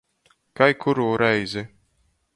Kai kurū reizi.